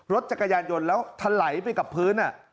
รถจักรยานยนต์แล้วทะไหลไปกับพื้น